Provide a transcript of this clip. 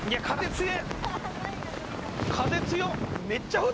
風強っ！